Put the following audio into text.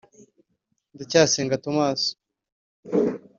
Ndacayisenga Thomas